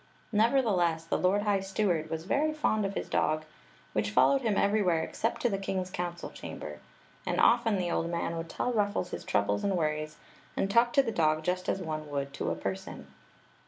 Nevertheless, the lord high steward was very fond of his dog, which followed him everywhere except to the king's council chamber; and often the old man would tell Ruffles his troubles and worries, and talk to the dog just as one would to a person.